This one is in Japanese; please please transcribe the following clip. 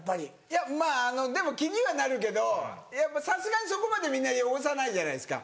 いやまぁでも気にはなるけどやっぱさすがにそこまでみんな汚さないじゃないですか。